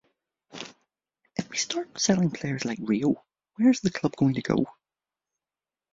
If we start selling players like Rio, where is the club going to go?